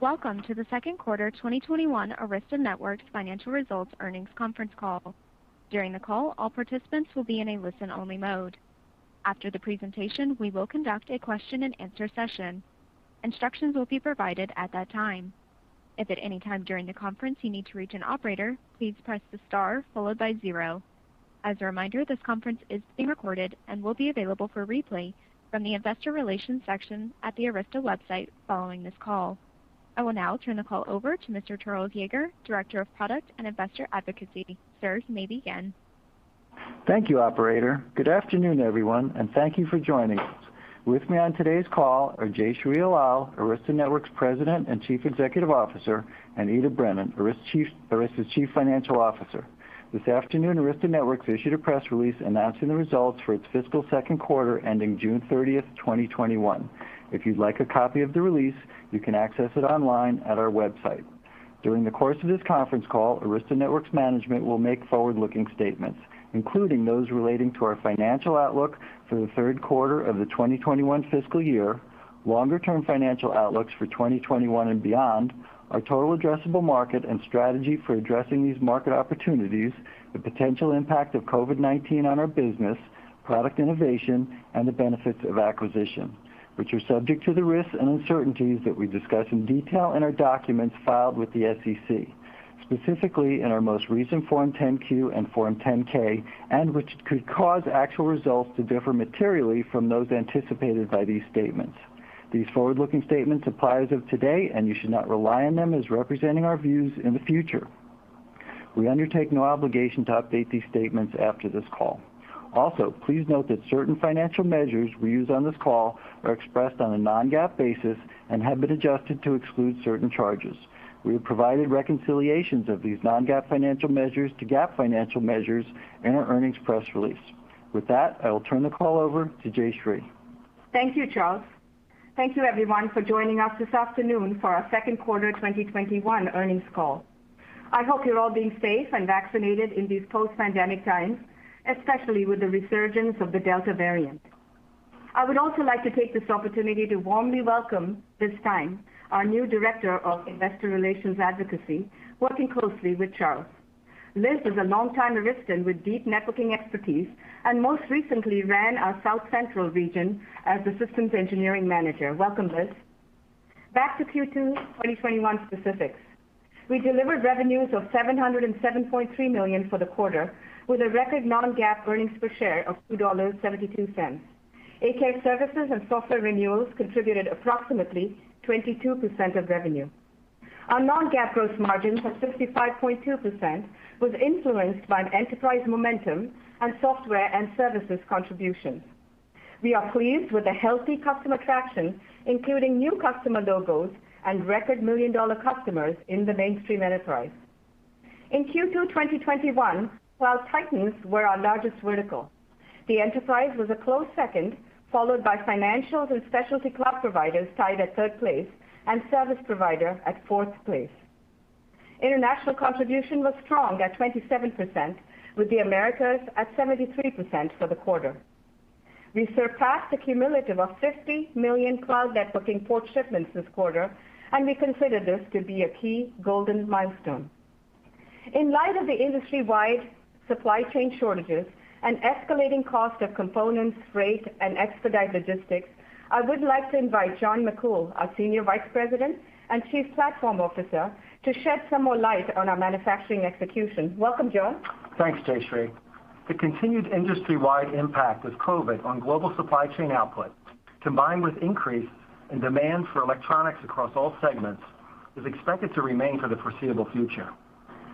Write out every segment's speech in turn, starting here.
Welcome to the second quarter 2021 Arista Networks financial results earnings conference call. During the call, all participants will be in a listen-only mode. After the presentation, we will conduct a question and answer session. Instructions will be provided at that time. If at any time during the conference you need to reach an operator, please press the star zero. As a reminder, this conference is being recorded and will be available for replay from the investor relations section at the Arista website following this call. I will now turn the call over to Mr. Charles Yager, Director of Product and Investor Advocacy. Sir, you may begin. Thank you, operator. Good afternoon, everyone, and thank you for joining us. With me on today's call are Jayshree Ullal, Arista Networks President and Chief Executive Officer, and Ita Brennan, Arista's Chief Financial Officer. This afternoon, Arista Networks issued a press release announcing the results for its fiscal second quarter ending June 30th, 2021. If you'd like a copy of the release, you can access it online at our website. During the course of this conference call, Arista Networks management will make forward-looking statements, including those relating to our financial outlook for the third quarter of the 2021 fiscal year, longer-term financial outlooks for 2021 and beyond, our total addressable market and strategy for addressing these market opportunities, the potential impact of COVID-19 on our business, product innovation, and the benefits of acquisition, which are subject to the risks and uncertainties that we discuss in detail in our documents filed with the SEC, specifically in our most recent Form 10-Q and Form 10-K, and which could cause actual results to differ materially from those anticipated by these statements. These forward-looking statements apply as of today, and you should not rely on them as representing our views in the future. We undertake no obligation to update these statements after this call. Please note that certain financial measures we use on this call are expressed on a non-GAAP basis and have been adjusted to exclude certain charges. We have provided reconciliations of these non-GAAP financial measures to GAAP financial measures in our earnings press release. With that, I will turn the call over to Jayshree. Thank you, Charles. Thank you, everyone, for joining us this afternoon for our second quarter 2021 earnings call. I hope you're all being safe and vaccinated in these post-pandemic times, especially with the resurgence of the Delta variant. I would also like to take this opportunity to warmly welcome Liz Stine, our new Director of Investor Relations Advocacy, working closely with Charles. Liz is a long-time Aristan with deep networking expertise, and most recently ran our South Central region as the Systems Engineering Manager. Welcome, Liz. Back to Q2 2021 specifics. We delivered revenues of $707.3 million for the quarter, with a record non-GAAP earnings per share of $2.72. A-Care services and software renewals contributed approximately 22% of revenue. Our non-GAAP gross margin of 65.2% was influenced by an enterprise momentum and software and services contributions. We are pleased with the healthy customer traction, including new customer logos and record million-dollar customers in the mainstream enterprise. In Q2 2021, cloud titans were our largest vertical. The enterprise was a close second, followed by financials and specialty cloud providers tied at third place, and service provider at fourth place. International contribution was strong at 27%, with the Americas at 73% for the quarter. We surpassed a cumulative of 50 million cloud networking port shipments this quarter, and we consider this to be a key golden milestone. In light of the industry-wide supply chain shortages and escalating cost of components, rate, and expedite logistics, I would like to invite John McCool, our Senior Vice President and Chief Platform Officer, to shed some more light on our manufacturing execution. Welcome, John. Thanks, Jayshree. The continued industry-wide impact of COVID on global supply chain output, combined with increase in demand for electronics across all segments, is expected to remain for the foreseeable future.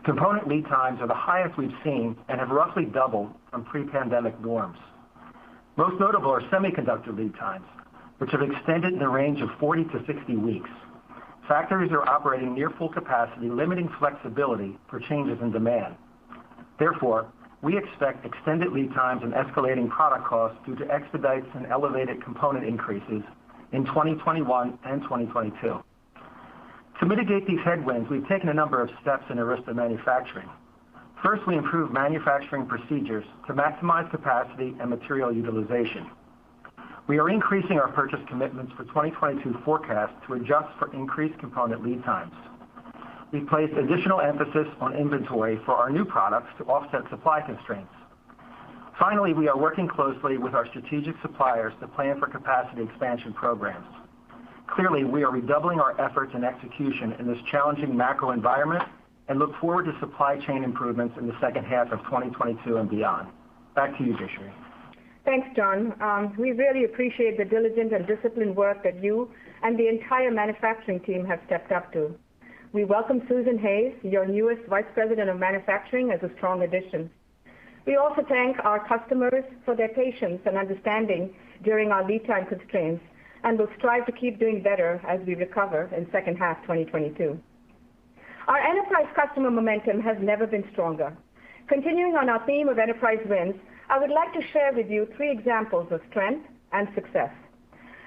Component lead times are the highest we've seen and have roughly doubled from pre-pandemic norms. Most notable are semiconductor lead times, which have extended in the range of 40-60 weeks. Factories are operating near full capacity, limiting flexibility for changes in demand. We expect extended lead times and escalating product costs due to expedites and elevated component increases in 2021 and 2022. To mitigate these headwinds, we've taken a number of steps in Arista manufacturing. First, we improved manufacturing procedures to maximize capacity and material utilization. We are increasing our purchase commitments for 2022 forecasts to adjust for increased component lead times. We placed additional emphasis on inventory for our new products to offset supply constraints. Finally, we are working closely with our strategic suppliers to plan for capacity expansion programs. Clearly, we are redoubling our efforts and execution in this challenging macro environment and look forward to supply chain improvements in the second half of 2022 and beyond. Back to you, Jayshree. Thanks, John. We really appreciate the diligent and disciplined work that you and the entire manufacturing team have stepped up to. We welcome Susan Hayes, your newest Vice President of Manufacturing, as a strong addition. We also thank our customers for their patience and understanding during our lead time constraints, and will strive to keep doing better as we recover in second half 2022. Our enterprise customer momentum has never been stronger. Continuing on our theme of enterprise wins, I would like to share with you three examples of strength and success.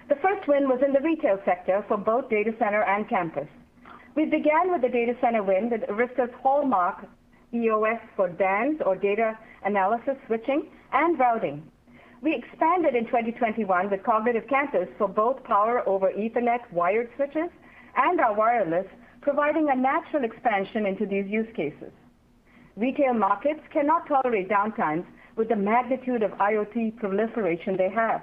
The first win was in the retail sector for both data center and campus. We began with the data center win with Arista's hallmark EOS for DANZ, or data analysis switching and routing. We expanded in 2021 with cognitive campuses for both Power over Ethernet wired switches and our wireless, providing a natural expansion into these use cases. Retail markets cannot tolerate downtimes with the magnitude of IoT proliferation they have.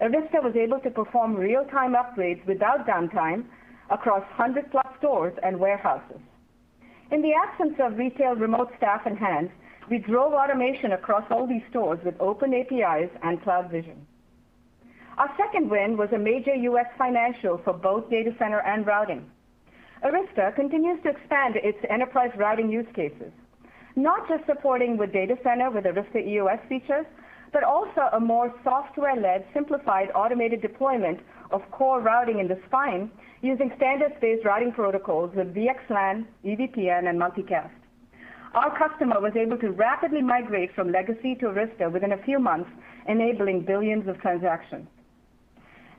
Arista was able to perform real-time upgrades without downtime across 100+ stores and warehouses. In the absence of retail remote staff and hands, we drove automation across all these stores with open APIs and CloudVision. Our second win was a major U.S. financial for both data center and routing. Arista continues to expand its enterprise routing use cases, not just supporting with data center with Arista EOS features, but also a more software-led, simplified, automated deployment of core routing in the spine using standard-based routing protocols with VXLAN, EVPN, and Multicast. Our customer was able to rapidly migrate from legacy to Arista within a few months, enabling billions of transactions.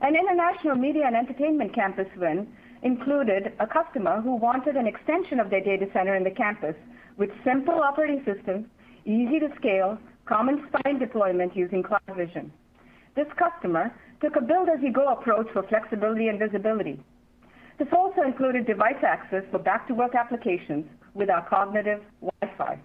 An international media and entertainment campus win included a customer who wanted an extension of their data center in the campus with simple operating systems, easy to scale, common spine deployment using CloudVision. This customer took a build-as-you-go approach for flexibility and visibility. This also included device access for back-to-work applications with our Cognitive Wi-Fi.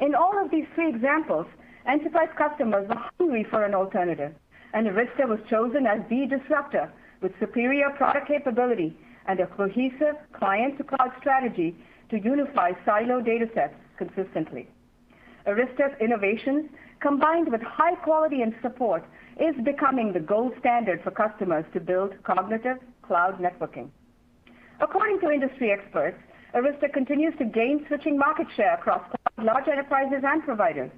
In all of these three examples, enterprise customers are hungry for an alternative, and Arista was chosen as the disruptor with superior product capability and a cohesive client-to-cloud strategy to unify siloed data sets consistently. Arista's innovations, combined with high quality and support, is becoming the gold standard for customers to build cognitive cloud networking. According to industry experts, Arista continues to gain switching market share across large enterprises and providers.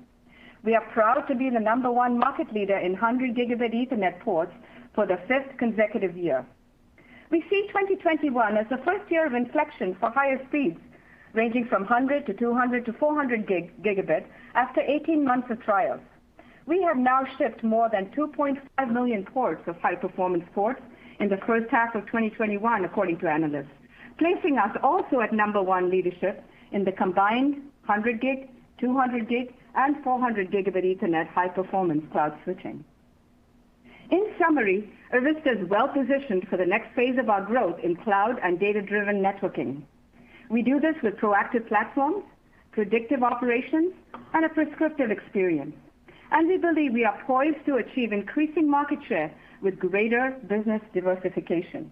We are proud to be the number one market leader in 100G Ethernet ports for the fifth consecutive year. We see 2021 as the first year of inflection for higher speeds, ranging from 100 to 200 to 400G after 18 months of trials. We have now shipped more than 2.5 million ports of high-performance ports in the first half of 2021, according to analysts, placing us also at number one leadership in the combined 100G, 200G, and 400G Ethernet high-performance cloud switching. In summary, Arista is well positioned for the next phase of our growth in cloud and data-driven networking. We do this with proactive platforms, predictive operations, and a prescriptive experience. We believe we are poised to achieve increasing market share with greater business diversification.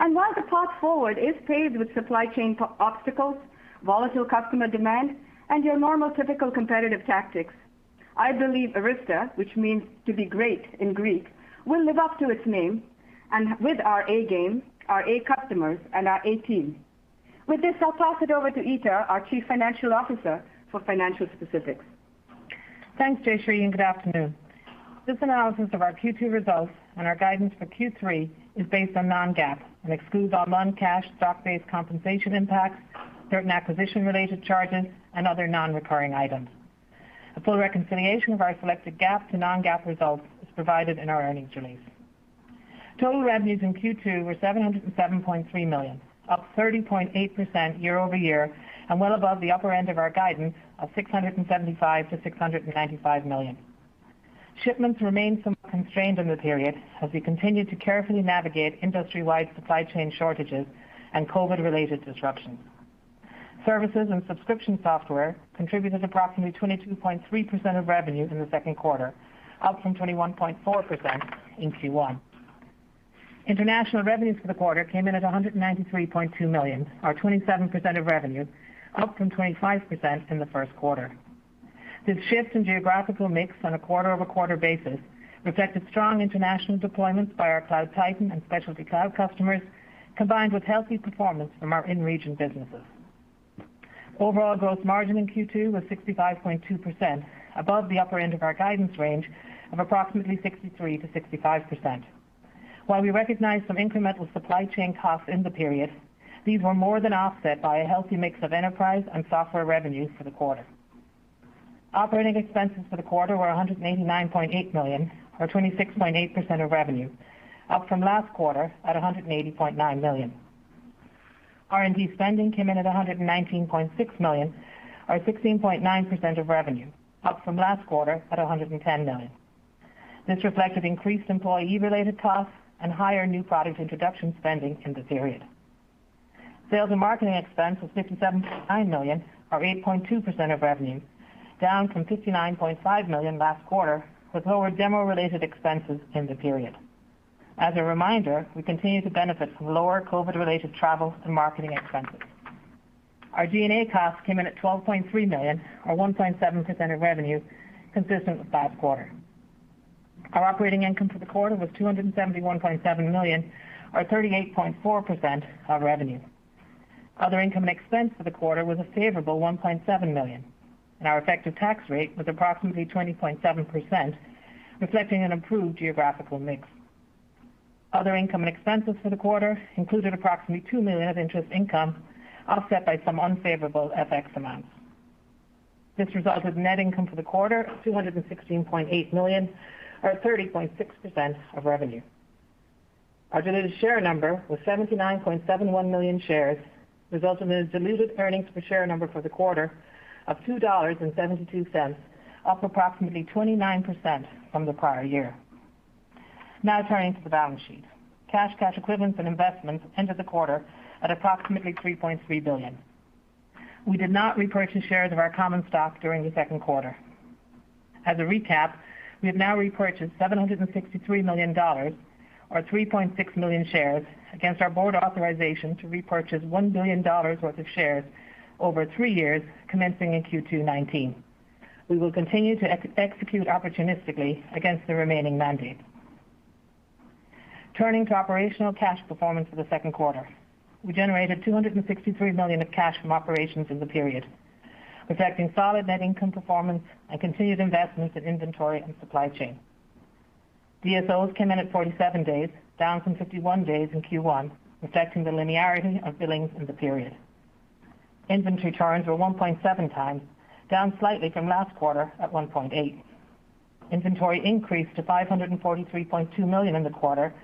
While the path forward is paved with supply chain obstacles, volatile customer demand, and your normal typical competitive tactics, I believe Arista, which means to be great in Greek, will live up to its name and with our A game, our A customers, and our A team. With this, I'll pass it over to Ita, our Chief Financial Officer, for financial specifics. Thanks, Jayshree, and good afternoon. This analysis of our Q2 results and our guidance for Q3 is based on non-GAAP and excludes all non-cash stock-based compensation impacts, certain acquisition-related charges, and other non-recurring items. A full reconciliation of our selected GAAP to non-GAAP results is provided in our earnings release. Total revenues in Q2 were $707.3 million, up 30.8% year-over-year, and well above the upper end of our guidance of $675 million-$695 million. Shipments remained somewhat constrained in the period as we continued to carefully navigate industry-wide supply chain shortages and COVID-related disruptions. Services and subscription software contributed approximately 22.3% of revenues in the second quarter, up from 21.4% in Q1. International revenues for the quarter came in at $193.2 million, or 27% of revenue, up from 25% in the first quarter. This shift in geographical mix on a quarter-over-quarter basis reflected strong international deployments by our cloud titan and specialty cloud customers, combined with healthy performance from our in-region businesses. Overall gross margin in Q2 was 65.2%, above the upper end of our guidance range of approximately 63%-65%. While we recognized some incremental supply chain costs in the period, these were more than offset by a healthy mix of enterprise and software revenues for the quarter. Operating expenses for the quarter were $189.8 million, or 26.8% of revenue, up from last quarter at $180.9 million. R&D spending came in at $119.6 million, or 16.9% of revenue, up from last quarter at $110 million. This reflected increased employee-related costs and higher new product introduction spending in the period. Sales and marketing expense was $57.9 million, or 8.2% of revenue, down from $59.5 million last quarter, with lower demo-related expenses in the period. As a reminder, we continue to benefit from lower COVID-related travel and marketing expenses. Our G&A costs came in at $12.3 million, or 1.7% of revenue, consistent with last quarter. Our operating income for the quarter was $271.7 million, or 38.4% of revenue. Other income and expense for the quarter was a favorable $1.7 million, and our effective tax rate was approximately 20.7%, reflecting an improved geographical mix. Other income and expenses for the quarter included approximately $2 million of interest income, offset by some unfavorable FX amounts. This resulted in net income for the quarter of $216.8 million or 30.6% of revenue. Our diluted share number was 79.71 million shares, resulting in a diluted earnings per share number for the quarter of $2.72, up approximately 29% from the prior year. Now turning to the balance sheet. Cash, cash equivalents, and investments ended the quarter at approximately $3.3 billion. We did not repurchase shares of our common stock during the second quarter. As a recap, we have now repurchased $763 million or 3.6 million shares against our board authorization to repurchase $1 billion worth of shares over three years commencing in Q2 2019. We will continue to execute opportunistically against the remaining mandate. Turning to operational cash performance for the second quarter. We generated $263 million of cash from operations in the period, reflecting solid net income performance and continued investments in inventory and supply chain. DSOs came in at 47 days, down from 51 days in Q1, reflecting the linearity of billings in the period. Inventory turns were 1.7x, down slightly from last quarter at 1.8. Inventory increased to $543.2 million in the quarter,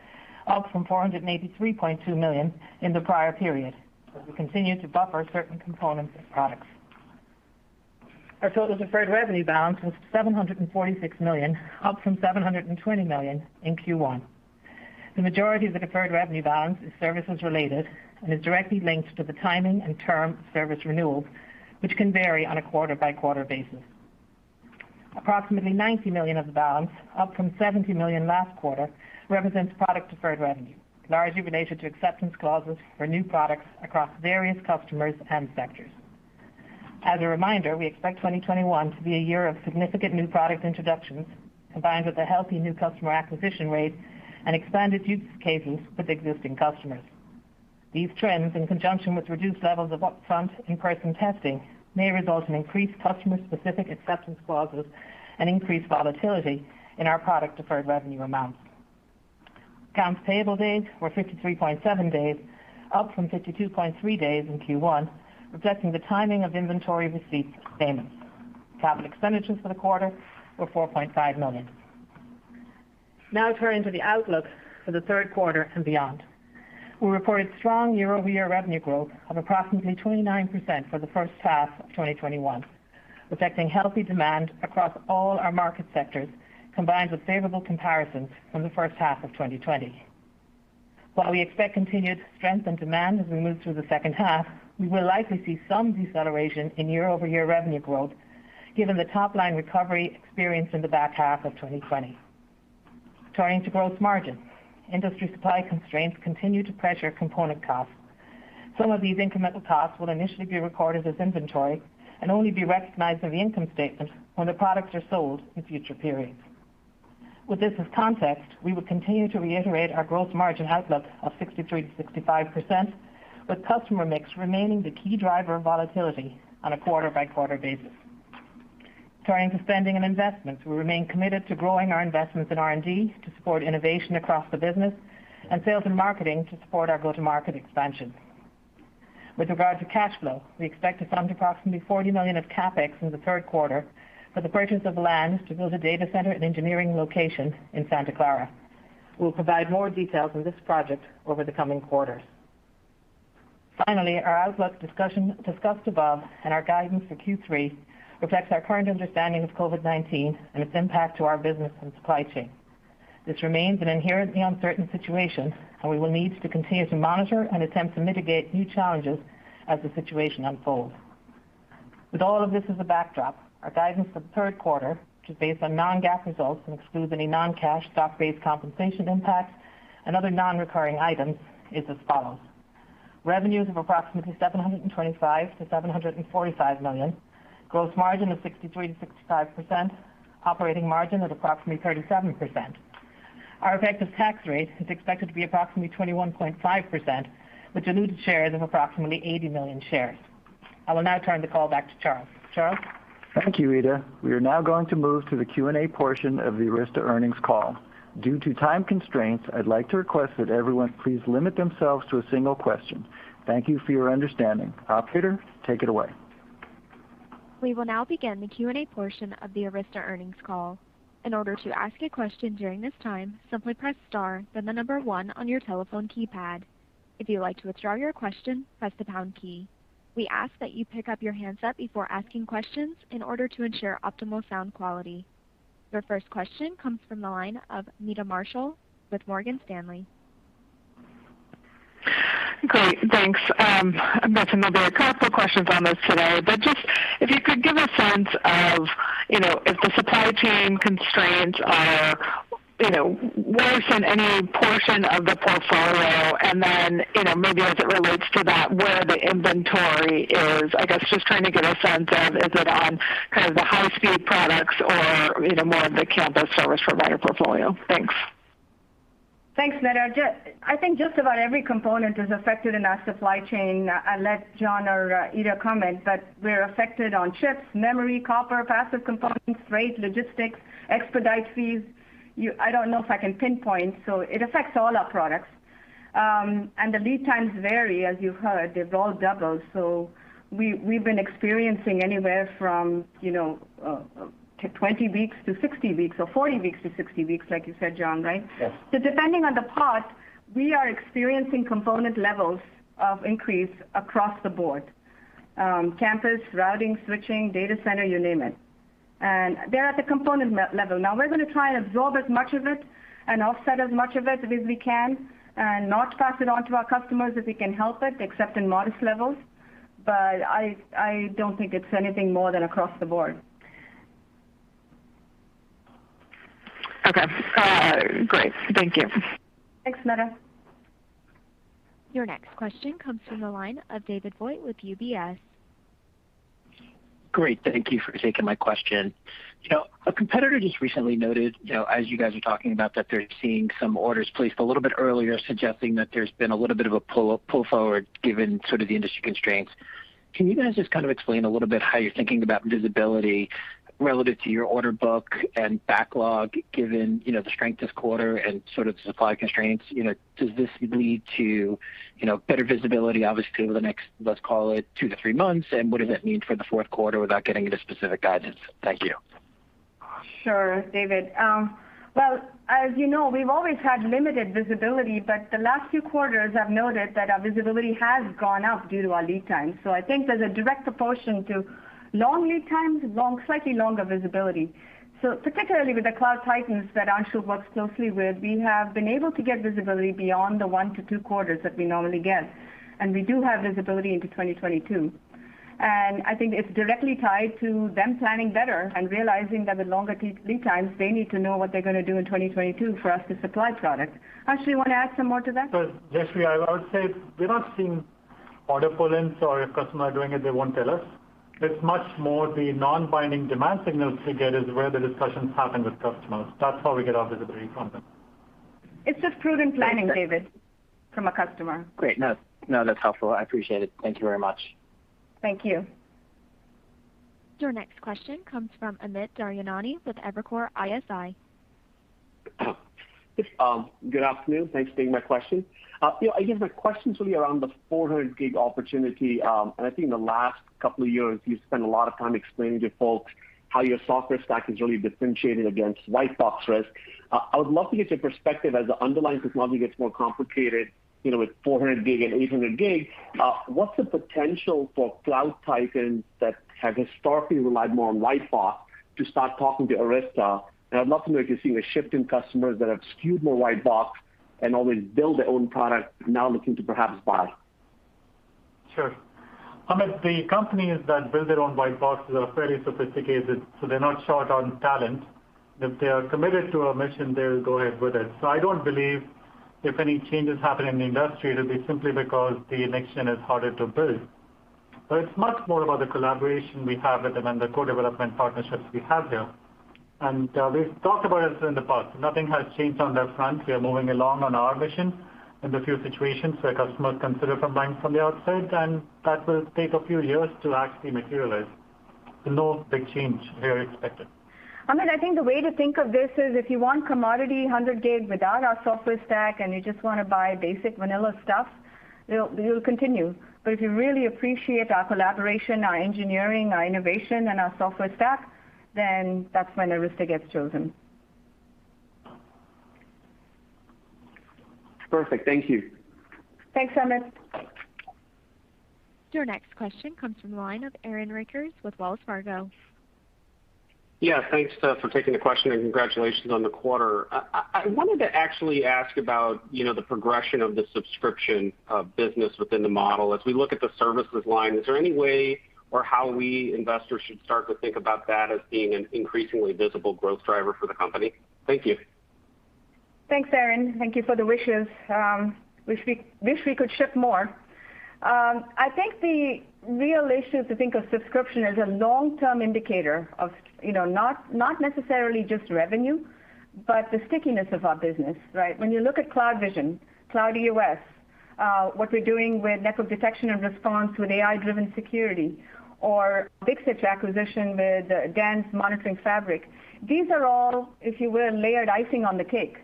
up from $483.2 million in the prior period, as we continue to buffer certain components and products. Our total deferred revenue balance was $746 million, up from $720 million in Q1. The majority of the deferred revenue balance is services related and is directly linked to the timing and term of service renewals, which can vary on a quarter-by-quarter basis. Approximately $90 million of the balance, up from $70 million last quarter, represents product deferred revenue, largely related to acceptance clauses for new products across various customers and sectors. As a reminder, we expect 2021 to be a year of significant new product introductions, combined with a healthy new customer acquisition rate and expanded use cases with existing customers. These trends, in conjunction with reduced levels of upfront in-person testing, may result in increased customer-specific acceptance clauses and increased volatility in our product deferred revenue amounts. Accounts payable days were 53.7 days, up from 52.3 days in Q1, reflecting the timing of inventory receipts and payments. Capital expenditures for the quarter were $4.5 million. Now turning to the outlook for the third quarter and beyond. We reported strong year-over-year revenue growth of approximately 29% for the first half of 2021, reflecting healthy demand across all our market sectors, combined with favorable comparisons from the first half of 2020. While we expect continued strength in demand as we move through the second half, we will likely see some deceleration in year-over-year revenue growth given the top-line recovery experienced in the back half of 2020. Turning to gross margin. Industry supply constraints continue to pressure component costs. Some of these incremental costs will initially be recorded as inventory and only be recognized on the income statement when the products are sold in future periods. With this as context, we will continue to reiterate our gross margin outlook of 63%-65%, with customer mix remaining the key driver of volatility on a quarter-by-quarter basis. Turning to spending and investments, we remain committed to growing our investments in R&D to support innovation across the business, and sales and marketing to support our go-to-market expansion. With regard to cash flow, we expect to fund approximately $40 million of CapEx in the third quarter for the purchase of land to build a data center and engineering location in Santa Clara. We will provide more details on this project over the coming quarters. Our outlook discussed above and our guidance for Q3 reflects our current understanding of COVID-19 and its impact to our business and supply chain. This remains an inherently uncertain situation, and we will need to continue to monitor and attempt to mitigate new challenges as the situation unfolds. With all of this as a backdrop, our guidance for the third quarter, which is based on non-GAAP results and excludes any non-cash stock-based compensation impacts and other non-recurring items, is as follows. Revenues of approximately $725 million-$745 million, gross margin of 63%-65%, operating margin of approximately 37%. Our effective tax rate is expected to be approximately 21.5%, with diluted shares of approximately 80 million shares. I will now turn the call back to Charles. Charles? Thank you, Ita. We are now going to move to the Q&A portion of the Arista earnings call. Due to time constraints, I'd like to request that everyone please limit themselves to a single question. Thank you for your understanding. Operator, take it away. We will now begin the Q&A portion of the Arista earnings call. In order to ask a question during this time, simply press star, then the number one on your telephone keypad. If you'd like to withdraw your question, press the pound key. We ask that you pick up your handset before asking questions in order to ensure optimal sound quality. Your first question comes from the line of Meta Marshall with Morgan Stanley. Great, thanks. I've gotten a couple of questions on this today, but just if you could give a sense of if the supply chain constraints are worse in any portion of the portfolio, and then maybe as it relates to that, where the inventory is. I guess just trying to get a sense of, is it on the high-speed products or more of the campus service provider portfolio? Thanks. Thanks, Meta. I think just about every component is affected in our supply chain. I'll let John or Ita comment. We're affected on chips, memory, copper, passive components, freight, logistics, expedite fees. I don't know if I can pinpoint. It affects all our products. The lead times vary, as you heard, they've all doubled. We've been experiencing anywhere from 20 weeks to 60 weeks or 40 weeks to 60 weeks, like you said, John, right? Yes. Depending on the part, we are experiencing component levels of increase across the board. Campus, routing, switching, data center, you name it, and they're at the component level. We're going to try and absorb as much of it and offset as much of it as we can, and not pass it on to our customers if we can help it, except in modest levels. I don't think it's anything more than across the board. Okay. Great. Thank you. Thanks, Meta. Your next question comes from the line of David Vogt with UBS. Great. Thank you for taking my question. A competitor just recently noted, as you guys are talking about, that they're seeing some orders placed a little bit earlier suggesting that there's been a little bit of a pull forward given sort of the industry constraints. Can you guys just explain a little bit how you're thinking about visibility relative to your order book and backlog given the strength this quarter and sort of supply constraints? Does this lead to better visibility, obviously, over the next, let's call it two to three months? What does that mean for the fourth quarter without getting into specific guidance? Thank you. Sure, David. Well, as you know, we've always had limited visibility, the last few quarters have noted that our visibility has gone up due to our lead times. I think there's a direct proportion to long lead times, slightly longer visibility. Particularly with the cloud titans that Anshu works closely with, we have been able to get visibility beyond the one to two quarters that we normally get, we do have visibility into 2022. I think it's directly tied to them planning better and realizing that with longer lead times, they need to know what they're going to do in 2022 for us to supply product. Anshu, you want to add some more to that? Sure. Jayshree, I would say we're not seeing order pull-ins or if customers are doing it, they won't tell us. It's much more the non-binding demand signals we get is where the discussions happen with customers. That's how we get our visibility from them. It's just prudent planning, David, from a customer. Great. No, that's helpful. I appreciate it. Thank you very much. Thank you. Your next question comes from Amit Daryanani with Evercore ISI. Good afternoon. Thanks for taking my question. I guess my question's really around the 400G opportunity. I think in the last couple of years, you've spent a lot of time explaining to folks how your software stack is really differentiated against white box risk. I would love to get your perspective as the underlying technology gets more complicated, with 400G and 800G, what's the potential for cloud titans that have historically relied more on white box to start talking to Arista? I would love to know if you're seeing a shift in customers that have skewed more white box and always build their own product now looking to perhaps buy. Sure. Amit, the companies that build their own white boxes are fairly sophisticated, so they're not short on talent. If they are committed to a mission, they'll go ahead with it. I don't believe if any changes happen in the industry, it'll be simply because the next gen is harder to build. It's much more about the collaboration we have with them and the co-development partnerships we have there. We've talked about this in the past. Nothing has changed on that front. We are moving along on our mission in the few situations where customers consider supplying from the outside, and that will take a few years to actually materialize. No big change here expected. Amit, I think the way to think of this is if you want commodity 100G without our software stack and you just want to buy basic vanilla stuff, you'll continue. If you really appreciate our collaboration, our engineering, our innovation, and our software stack, that's when Arista gets chosen. Perfect. Thank you. Thanks, Amit. Your next question comes from the line of Aaron Rakers with Wells Fargo. Yeah. Thanks for taking the question and congratulations on the quarter. I wanted to actually ask about the progression of the subscription business within the model. As we look at the services line, is there any way or how we investors should start to think about that as being an increasingly visible growth driver for the company? Thank you. Thanks, Aaron. Thank you for the wishes. Wish we could ship more. I think the real issue to think of subscription as a long-term indicator of not necessarily just revenue, but the stickiness of our business, right? When you look at CloudVision, CloudEOS, what we're doing with network detection and response with AI-driven security or Big Switch acquisition with DANZ Monitoring Fabric. These are all, if you will, layered icing on the cake,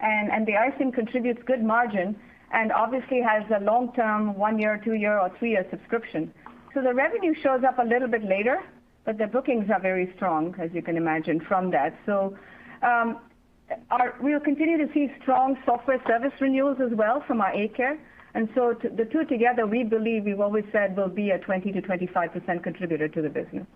and the icing contributes good margin and obviously has a long-term one-year, two-year, or three-year subscription. The revenue shows up a little bit later, but the bookings are very strong, as you can imagine, from that. We'll continue to see strong software service renewals as well from our A-Care. The two together, we believe, we've always said will be a 20%-25% contributor to the business.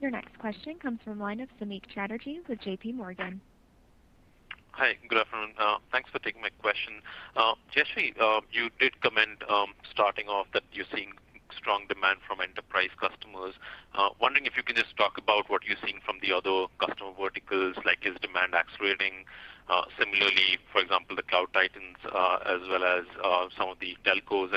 Your next question comes from line of Samik Chatterjee with JPMorgan. Hi. Good afternoon. Thanks for taking my question. Jayshree, you did comment, starting off that you're seeing strong demand from enterprise customers. Wondering if you can just talk about what you're seeing from the other customer verticals, like is demand accelerating? Similarly, for example, the cloud titans, as well as some of the telcos.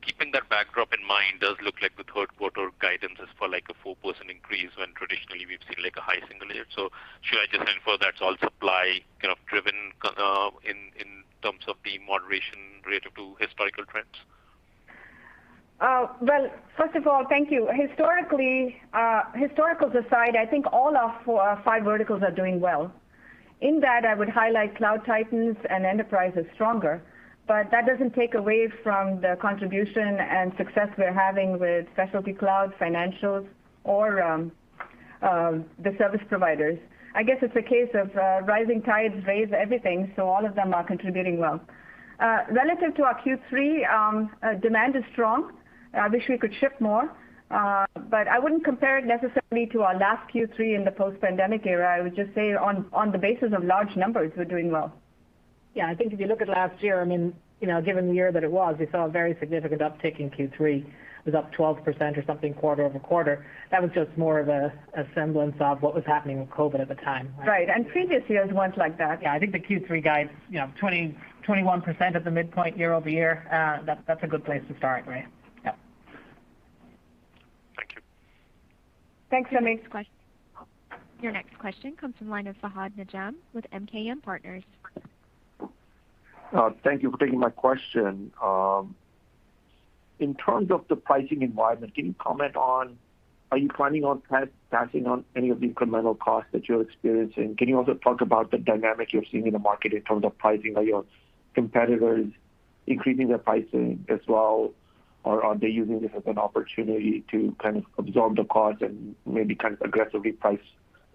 Keeping that backdrop in mind, does look like the third quarter guidance is for like a 4% increase when traditionally we've seen like a high single here. Should I just infer that's all supply Any moderation relative to historical trends? Well, first of all, thank you. Historically, I'd say, I think all our five verticals are doing well. In that, I would highlight Cloud Titans and Enterprise as stronger, but that doesn't take away from the contribution and success we're having with specialty cloud, financials, or the service providers. I guess it's a case of rising tides raise everything. All of them are contributing well. Relative to our Q3, demand is strong. I wish we could ship more. I wouldn't compare it necessarily to our last Q3 in the post-pandemic era. I would just say on the basis of large numbers, we're doing well. Yeah, I think if you look at last year, given the year that it was, we saw a very significant uptick in Q3. It was up 12% or something quarter-over-quarter. That was just more of a semblance of what was happening with COVID at the time. Right. Previous years weren't like that. Yeah. I think the Q3 guides 21% at the midpoint year-over-year. That's a good place to start, right? Yep. Thank you. Thanks, Amit. Next question. Your next question comes from line of Fahad Najam with MKM Partners. Thank you for taking my question. In terms of the pricing environment, can you comment on, are you planning on passing on any of the incremental costs that you're experiencing? Can you also talk about the dynamic you're seeing in the market in terms of pricing? Are your competitors increasing their pricing as well? Are they using this as an opportunity to absorb the cost and maybe aggressively price?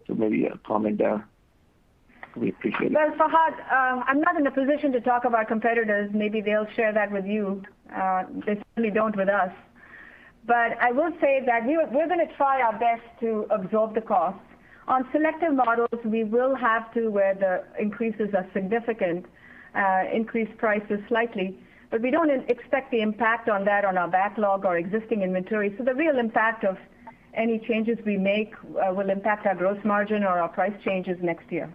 Maybe a comment there. We appreciate it. Well, Fahad, I'm not in a position to talk about competitors. Maybe they'll share that with you. They certainly don't with us. I will say that we're going to try our best to absorb the cost. On selective models, we will have to, where the increases are significant, increase prices slightly. We don't expect the impact on that on our backlog or existing inventory. The real impact of any changes we make will impact our gross margin or our price changes next year.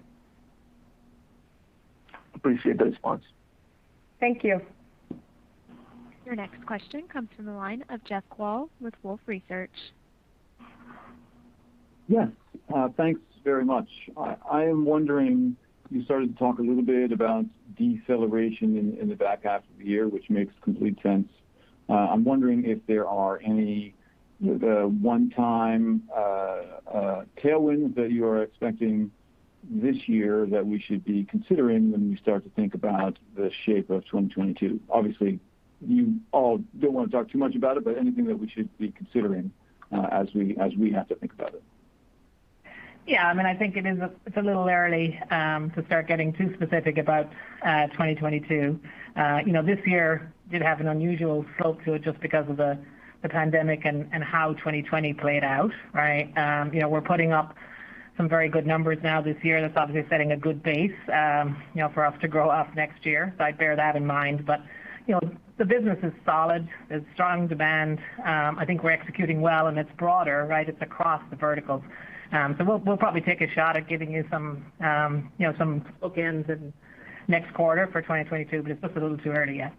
Appreciate the response. Thank you. Your next question comes from the line of Jeff Kvaal with Wolfe Research. Yes. Thanks very much. I am wondering, you started to talk a little bit about deceleration in the back half of the year, which makes complete sense. I'm wondering if there are any one-time tailwinds that you are expecting this year that we should be considering when we start to think about the shape of 2022. Obviously, you all don't want to talk too much about it, but anything that we should be considering as we have to think about it? Yeah, I think it's a little early to start getting too specific about 2022. This year did have an unusual slope to it just because of the pandemic and how 2020 played out, right? We're putting up some very good numbers now this year, that's obviously setting a good base for us to grow up next year. I'd bear that in mind. The business is solid. There's strong demand. I think we're executing well. It's broader, right? It's across the verticals. We'll probably take a shot at giving you some bookends in next quarter for 2022. It's just a little too early yet.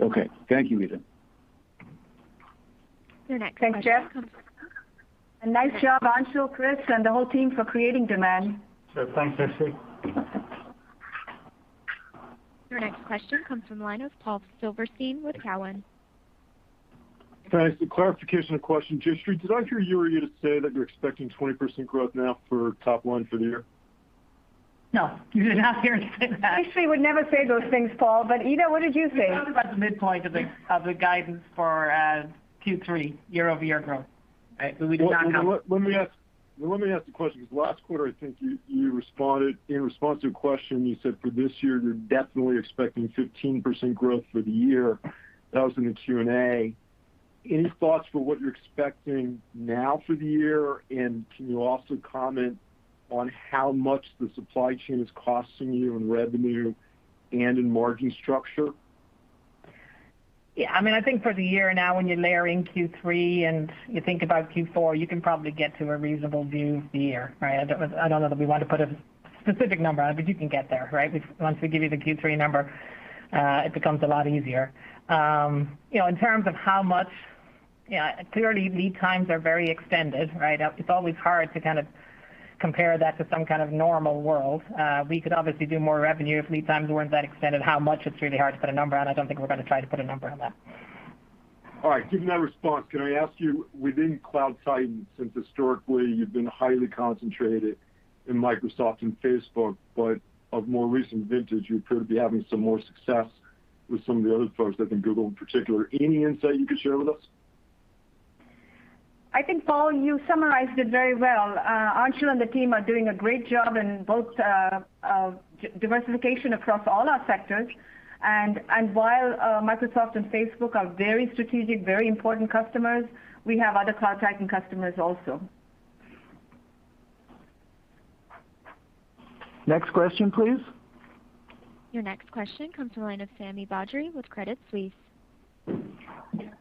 Okay. Thank you, Ita. Your next question comes. Thanks, Jeff. Nice job, Anshul, Chris, and the whole team for creating demand. Sure. Thanks, Jayshree. Your next question comes from line of Paul Silverstein with Cowen. Thanks. A clarification question. Just did I hear you or Ita say that you're expecting 20% growth now for top line for the year? No. You did not hear us say that. Ita would never say those things, Paul. Ita Brennan, what did you say? We talked about the midpoint of the guidance for Q3 year-over-year growth. Right? Well, let me ask the question, because last quarter, I think you responded in response to a question, you said for this year, you're definitely expecting 15% growth for the year. That was in the Q&A. Any thoughts for what you're expecting now for the year, and can you also comment on how much the supply chain is costing you in revenue and in margin structure? I think for the year now, when you layer in Q3 and you think about Q4, you can probably get to a reasonable view of the year, right? I don't know that we want to put a specific number on it, but you can get there, right? Once we give you the Q3 number, it becomes a lot easier. In terms of how much, clearly lead times are very extended, right? It's always hard to compare that to some kind of normal world. We could obviously do more revenue if lead times weren't that extended. How much, it's really hard to put a number on. I don't think we're going to try to put a number on that. All right. Given that response, can I ask you within cloud titans, since historically you've been highly concentrated in Microsoft and Facebook, but of more recent vintage, you appear to be having some more success with some of the other folks, I think Google in particular? Any insight you could share with us? I think, Paul, you summarized it very well. Anshul and the team are doing a great job in both diversification across all our sectors, and while Microsoft and Facebook are very strategic, very important customers, we have other cloud titan customers also. Next question, please. Your next question comes the line of Sami Badri with Credit Suisse.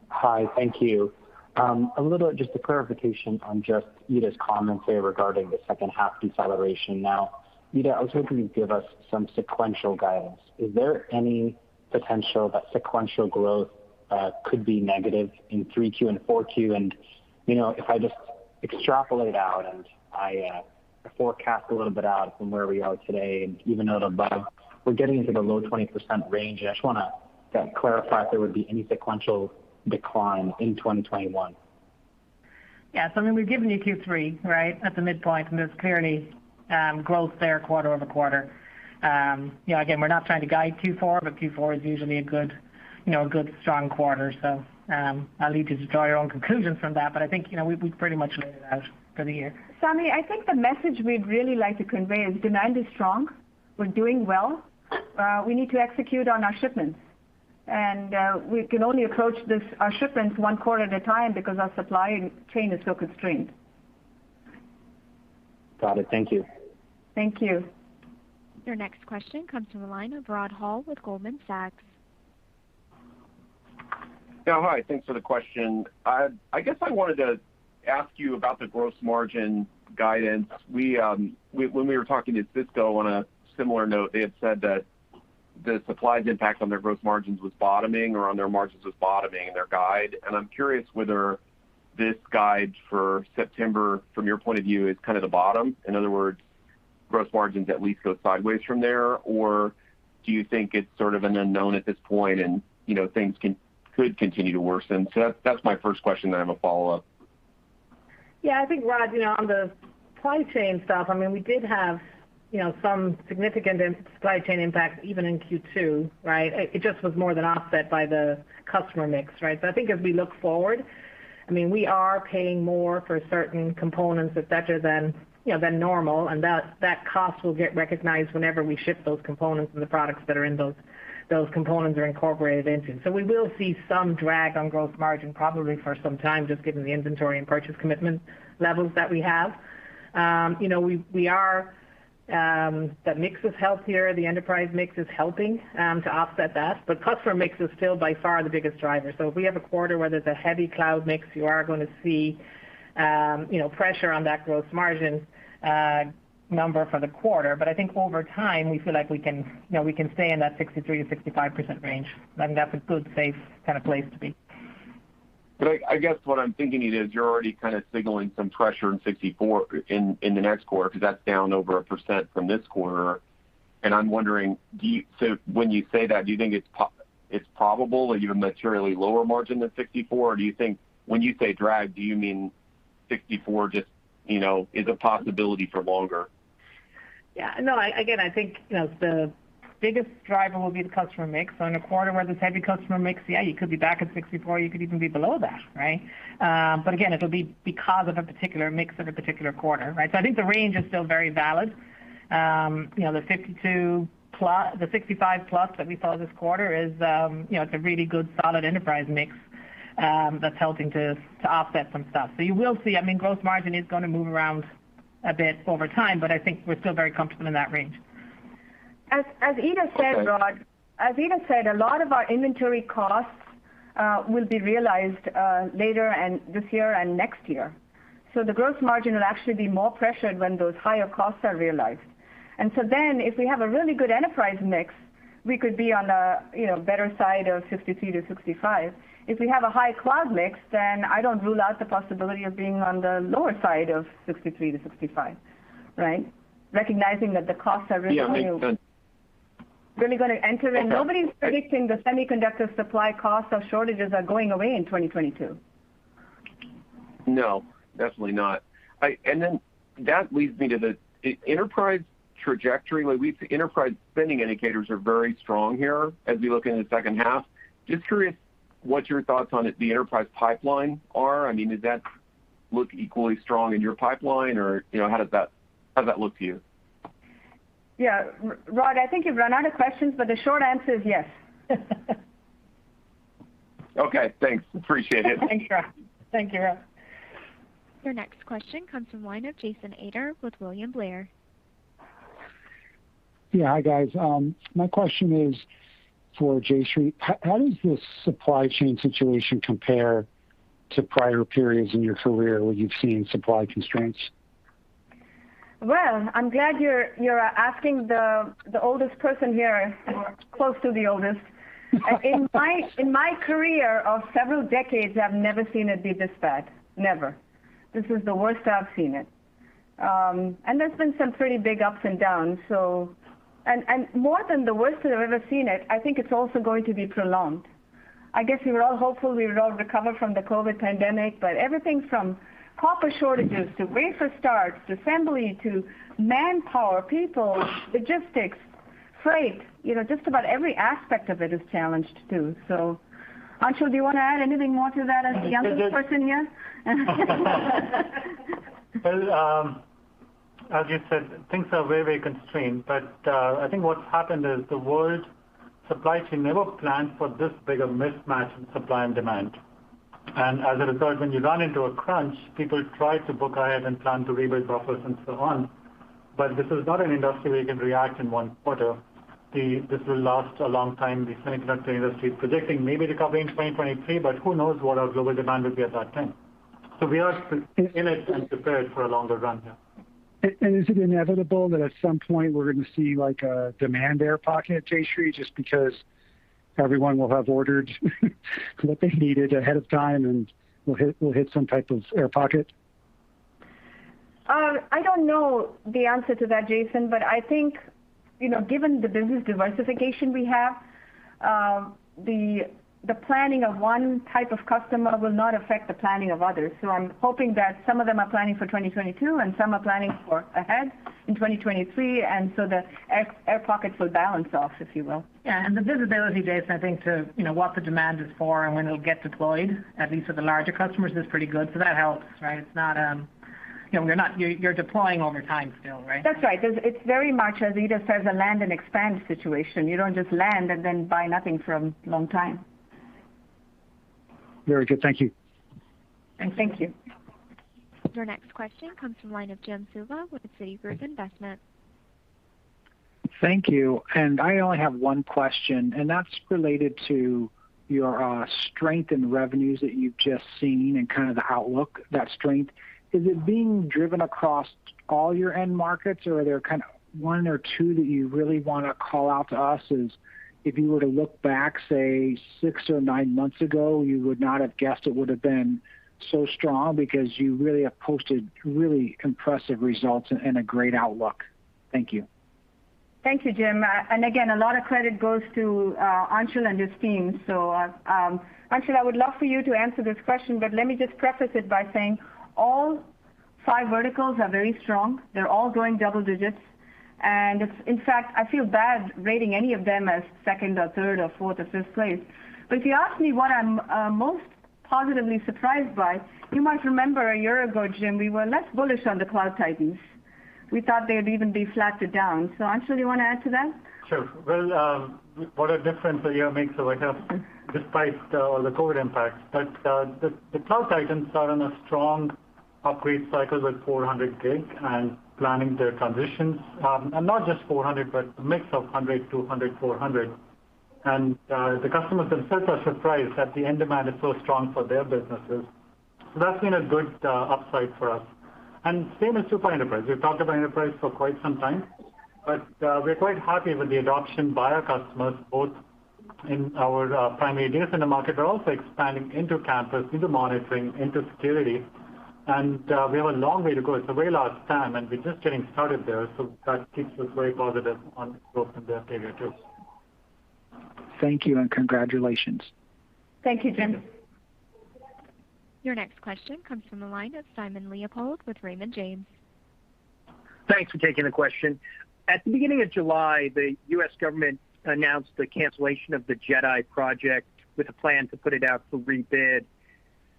Hi. Thank you. A little just a clarification on just Ita's commentary regarding the second half deceleration. Now, Ita, I was hoping you'd give us some sequential guidance. Is there any potential that sequential growth could be negative in 3Q and 4Q? If I just extrapolate out and I forecast a little bit out from where we are today, and even out above, we're getting into the low 20% range, and I just want to. That clarify if there would be any sequential decline in 2021. Yeah. I mean, we've given you Q3, right, at the midpoint. There's clearly growth there quarter-over-quarter. Again, we're not trying to guide Q4. Q4 is usually a good strong quarter. I'll leave you to draw your own conclusions from that. I think, we've pretty much laid it out for the year. Sami, I think the message we'd really like to convey is demand is strong. We're doing well. We need to execute on our shipments. We can only approach our shipments 1 quarter at a time because our supply chain is so constrained. Got it. Thank you. Thank you. Your next question comes from the line of Rod Hall with Goldman Sachs. Hi. Thanks for the question. I guess I wanted to ask you about the gross margin guidance. When we were talking to Cisco on a similar note, they had said that the supplies impact on their gross margins was bottoming, or on their margins was bottoming in their guide. I'm curious whether this guide for September, from your point of view, is kind of the bottom. In other words, gross margins at least go sideways from there? Do you think it's sort of an unknown at this point, and things could continue to worsen? That's my first question, I have a follow-up. Yeah, I think, Rod, on the supply chain stuff, we did have some significant supply chain impacts even in Q2, right? It just was more than offset by the customer mix. I think as we look forward, we are paying more for certain components, et cetera, than normal, and that cost will get recognized whenever we ship those components, and the products that are in those components are incorporated into. We will see some drag on gross margin probably for some time, just given the inventory and purchase commitment levels that we have. The mix is healthier. The enterprise mix is helping to offset that, but customer mix is still by far the biggest driver. If we have a quarter where there's a heavy cloud mix, you are going to see pressure on that gross margin number for the quarter. I think over time, we feel like we can stay in that 63% to 65% range. I think that's a good, safe place to be. I guess what I'm thinking is you're already kind of signaling some pressure in the next quarter, because that's down over 1% from this quarter. I'm wondering, when you say that, do you think it's probable that you have a materially lower margin than 64%? Do you think when you say drag, do you mean 64% just is a possibility for longer? Yeah. No, again, I think, the biggest driver will be the customer mix. In a quarter where there's heavy customer mix, yeah, you could be back at 64%, you could even be below that. Again, it'll be because of a particular mix of a particular quarter. I think the range is still very valid. The 65% plus that we saw this quarter is a really good, solid enterprise mix that's helping to offset some stuff. You will see gross margin is going to move around a bit over time, but I think we're still very comfortable in that range. As Ita said, Rod, a lot of our inventory costs will be realized later this year and next year. The gross margin will actually be more pressured when those higher costs are realized. If we have a really good enterprise mix, we could be on the better side of 63%-65%. If we have a high cloud mix, I don't rule out the possibility of being on the lower side of 63%-65%. Yeah. Nobody's predicting the semiconductor supply costs or shortages are going away in 2022. No, definitely not. That leads me to the enterprise trajectory. Enterprise spending indicators are very strong here as we look into the second half. Just curious what your thoughts on the enterprise pipeline are. Does that look equally strong in your pipeline, or how does that look to you? Yeah. Rod, I think you've run out of questions, but the short answer is yes. Okay, thanks. Appreciate it. Thanks, Rod. Thank you. Your next question comes from the line of Jason Ader with William Blair. Yeah. Hi, guys. My question is for Jayshree. How does this supply chain situation compare to prior periods in your career where you've seen supply constraints? Well, I'm glad you're asking the oldest person here, or close to the oldest. In my career of several decades, I've never seen it be this bad, never. This is the worst I've seen it. There's been some pretty big ups and downs. More than the worst that I've ever seen it, I think it's also going to be prolonged. I guess we were all hopeful we would all recover from the COVID-19 pandemic, but everything from copper shortages to wafer starts, to assembly, to manpower, people, logistics, freight, just about every aspect of it is challenged, too. Anshul, do you want to add anything more to that as the youngest person here? Well, as you said, things are very, very constrained. I think what's happened is the world supply chain never planned for this big a mismatch in supply and demand. As a result, when you run into a crunch, people try to book ahead and plan to rebuild buffers and so on. This is not an industry where you can react in one quarter. This will last a long time. The semiconductor industry is predicting maybe recovery in 2023, who knows what our global demand will be at that time. We are in it and prepared for a longer run here. Is it inevitable that at some point we're going to see a demand air pocket, Jayshree, just because everyone will have ordered what they needed ahead of time, and we'll hit some type of air pocket? I don't know the answer to that, Jason. I think, given the business diversification we have, the planning of one type of customer will not affect the planning of others. I'm hoping that some of them are planning for 2022, and some are planning for ahead in 2023, and so the air pockets will balance off, if you will. Yeah. The visibility, Jason, I think to what the demand is for and when it'll get deployed, at least for the larger customers, is pretty good, so that helps, right? You're deploying over time still, right? That's right. It's very much, as Ita says, a land-and-expand situation. You don't just land and then buy nothing for a long time. Very good. Thank you. Thank you. Your next question comes from the line of Jim Suva with Citigroup Investment. Thank you. I only have one question, and that's related to your strength in revenues that you've just seen and kind of the outlook, that strength. Is it being driven across all your end markets, or are there kind of one or two that you really want to call out to us as, if you were to look back, say, six or nine months ago, you would not have guessed it would've been so strong because you really have posted really impressive results and a great outlook. Thank you. Thank you, Jim. Again, a lot of credit goes to Anshul and his team. Anshul, I would love for you to answer this question, but let me just preface it by saying all five verticals are very strong. They're all growing double digits, and in fact, I feel bad rating any of them as second or third or fourth or fifth place. If you ask me what I'm most positively surprised by, you might remember a year ago, Jim, we were less bullish on the cloud titans. We thought they'd even be flatter down. Anshul, you want to add to that? Sure. Well, what a difference a year makes, despite all the COVID-19 impacts. The cloud titans are on a strong upgrade cycle with 400G and planning their transitions. Not just 400G, but a mix of 100G, 200G, 400G. The customers themselves are surprised that the end demand is so strong for their businesses. That's been a good upside for us. Same as super enterprise. We've talked about enterprise for quite some time, but we're quite happy with the adoption by our customers, both in our primary data center market, but also expanding into campus, into monitoring, into security. We have a long way to go. It's a very large TAM, and we're just getting started there, so that keeps us very positive on growth in that area, too. Thank you, and congratulations. Thank you, Jim. Your next question comes from the line of Simon Leopold with Raymond James. Thanks for taking the question. At the beginning of July, the U.S. government announced the cancellation of the JEDI project with a plan to put it out for rebid.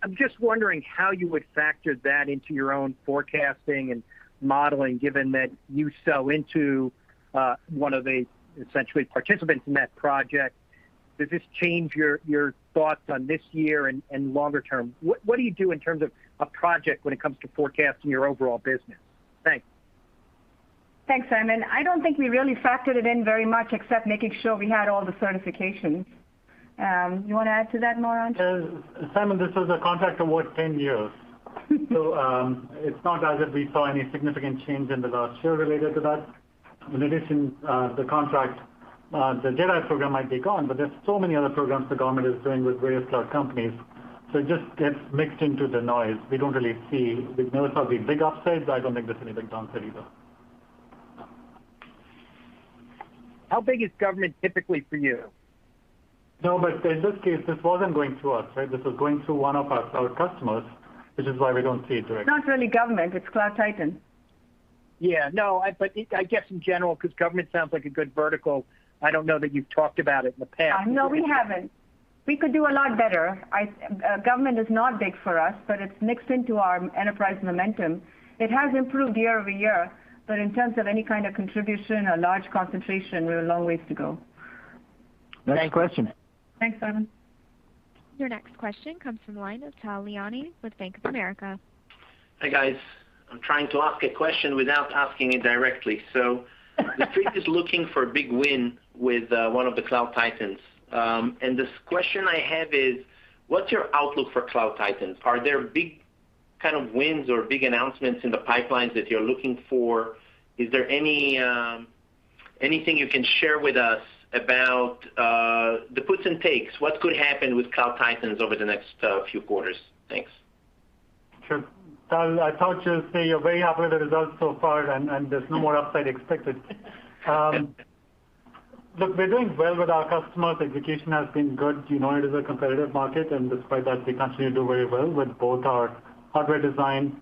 I'm just wondering how you would factor that into your own forecasting and modeling, given that you sell into one of the, essentially, participants in that project. Does this change your thoughts on this year and longer term? What do you do in terms of a project when it comes to forecasting your overall business? Thanks. Thanks, Simon. I don't think we really factored it in very much except making sure we had all the certifications. You want to add to that more, Anshul? Simon, this was a contract award 10 years. It's not as if we saw any significant change in the last year related to that. In addition, the contract, the JEDI program, might be gone, there's so many other programs the government is doing with various cloud companies, it just gets mixed into the noise. There will probably be big upsides. I don't think there's any big downside either. How big is government typically for you? No, in this case, this wasn't going to us, right? This was going to one of our customers, which is why we don't see it directly. It's not really government, it's cloud titan. Yeah. No, I guess in general, because government sounds like a good vertical. I don't know that you've talked about it in the past. No, we haven't. We could do a lot better. Government is not big for us, but it's mixed into our enterprise momentum. It has improved year-over-year, but in terms of any kind of contribution or large concentration, we have a long ways to go. Thanks. Next question. Thanks, Simon. Your next question comes from the line of Tal Liani with Bank of America. Hey, guys. I'm trying to ask a question without asking it directly. The Street is looking for a big win with one of the cloud titans. This question I have is, what's your outlook for cloud titans? Are there big kind of wins or big announcements in the pipelines that you're looking for? Is there anything you can share with us about the puts and takes? What could happen with cloud titans over the next few quarters? Thanks. Sure. Tal, I thought you'd say you're very happy with the results so far, and there's no more upside expected. Look, we're doing well with our customers. Execution has been good. You know it is a competitive market, and despite that, we continue to do very well with both our hardware design,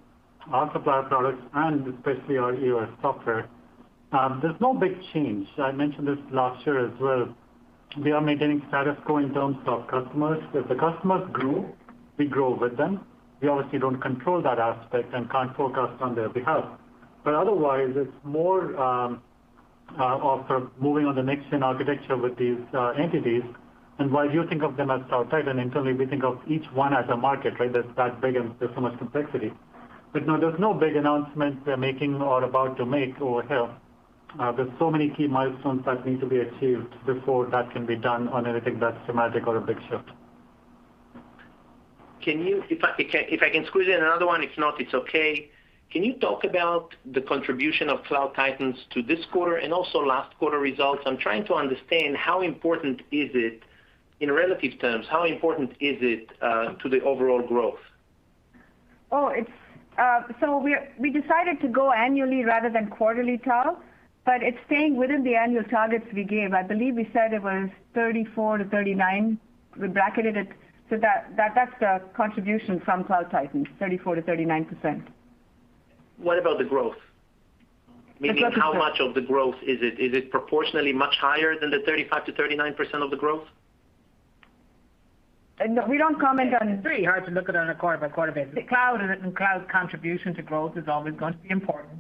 our supplier products, and especially our EOS software. There's no big change. I mentioned this last year as well. We are maintaining status quo in terms of customers. If the customers grow, we grow with them. We obviously don't control that aspect and can't forecast on their behalf. Otherwise, it's more of moving on the next-gen architecture with these entities. While you think of them as cloud titan, internally, we think of each one as a market, right? They're that big, and there's so much complexity. No, there's no big announcements we're making or about to make or have. There's so many key milestones that need to be achieved before that can be done on anything that's dramatic or a big shift. If I can squeeze in another one. If not, it's okay. Can you talk about the contribution of cloud titans to this quarter and also last quarter results? I'm trying to understand in relative terms, how important is it to the overall growth? Oh, we decided to go annually rather than quarterly, Tal. It's staying within the annual targets we gave. I believe we said it was 34%-39%. We bracketed it so that's the contribution from cloud titans, 34%-39%. What about the growth? The growth percent. Meaning how much of the growth is it? Is it proportionally much higher than the 35%-39% of the growth? No. We don't comment on. It's very hard to look at it on a quarter-by-quarter basis. The cloud and cloud contribution to growth is always going to be important.